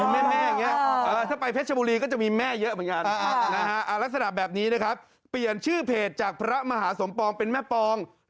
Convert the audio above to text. ไม่ใช่อย่าเติมกรรมเขาไปไม่เป็นมงคล